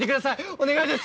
お願いです。